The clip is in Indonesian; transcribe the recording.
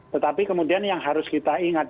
tetapi kemudian yang harus kita ingat